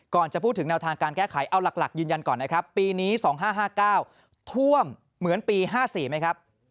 จะพูดถึงแนวทางการแก้ไขเอาหลักยืนยันก่อนนะครับปีนี้๒๕๕๙ท่วมเหมือนปี๕๔ไหมครับ